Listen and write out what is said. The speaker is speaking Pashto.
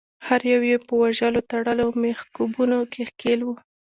هر یو یې په وژلو، تړلو او میخکوبونو کې ښکیل وو.